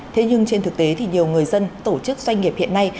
thế nhưng trên thực tế thì nhiều người dân tổ chức doanh nghiệp hiện nay